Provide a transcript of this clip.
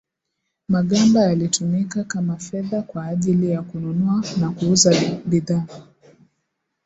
magamba yalitumika kama fedha kwa ajili ya kununua na kuuza bidhaa